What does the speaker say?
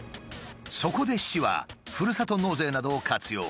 そこで市はふるさと納税などを活用。